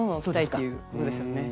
そういうことですよね。